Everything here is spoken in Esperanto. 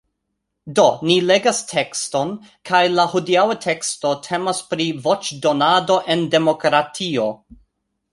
Do, ni legas tekston kaj la hodiaŭa teksto temas pri voĉdonado en demokratio